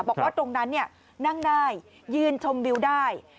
บอกว่าตรงนั้นนั่งได้ยืนชมวิวได้